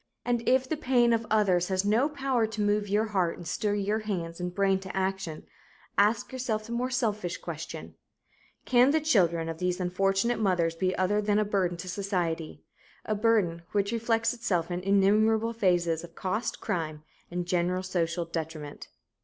And if the pain of others has no power to move your heart and stir your hands and brain to action, ask yourself the more selfish question: Can the children of these unfortunate mothers be other than a burden to society a burden which reflects itself in innumerable phases of cost, crime and general social detriment?